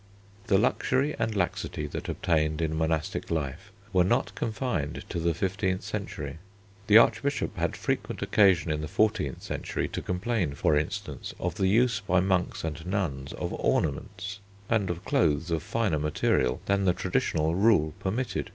The luxury and laxity that obtained in monastic life were not confined to the fifteenth century. The Archbishop had frequent occasion in the fourteenth century to complain, for instance, of the use by monks and nuns of ornaments, and of clothes of finer material than the traditional rule permitted.